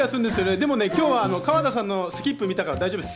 でも今日は川田さんのスキップ見たから大丈夫です。